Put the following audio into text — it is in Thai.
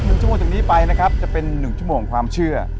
หนึ่งชั่วโมงจากนี้ไปนะครับจะเป็นหนึ่งชั่วโมงความเชื่อ